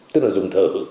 tức là dùng thử